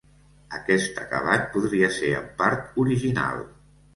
Aquest acabat podria ser en part original.